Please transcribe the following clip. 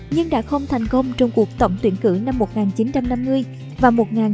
nhưng đã không thành công trong cuộc tổng tuyển cử năm một nghìn chín trăm năm mươi và một nghìn chín trăm năm mươi